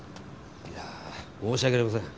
いや申し訳ありません。